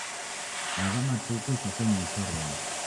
Agha matuku isakenyi ni choronyi.